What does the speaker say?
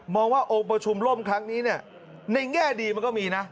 มองว่าโอบชุมร่มครั้งนี้ในแง่ดีมันก็มีนะ